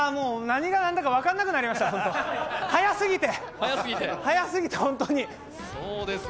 何が何だか分からなくなりました、速すぎて、本当に。